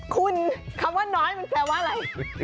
คุณคำว่าน้อยมันแปลว่าอะไร